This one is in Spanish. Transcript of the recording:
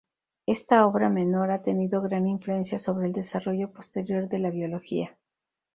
Esta obra menor ha tenido gran influencia sobre el desarrollo posterior de la biología.